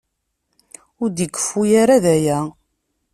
Ur d-ikeffu ara, d aya.